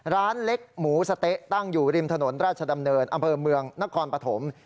ร้านเล็กหมูสะเต๊ะตั้งอยู่ริมถนนราชดำเนินอำเภอเมืองนครปฐม